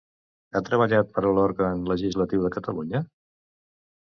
Ha treballat per a l'òrgan legislatiu de Catalunya?